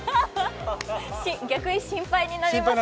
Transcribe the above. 逆に心配になります。